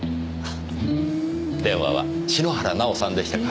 電話は篠原奈緒さんでしたか？